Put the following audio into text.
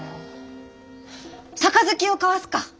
杯を交わすか！